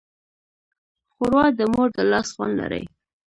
ښوروا د مور د لاس خوند لري.